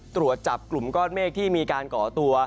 ตรวจจับกลุ่มก้อนเมฆที่มีการก่อตัว